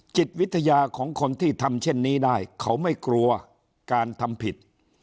จิตวิทยาของคนที่ทำเช่นนี้ได้เขาไม่กลัวการทำผิด